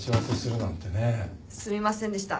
すみませんでした。